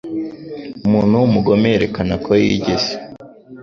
Umuntu w’umugome yerekana ko yigize